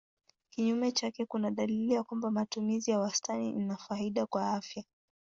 Kinyume chake kuna dalili ya kwamba matumizi ya wastani ina faida kwa afya.